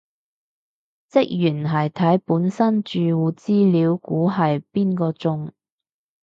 職員係睇本身住戶資料估係邊個中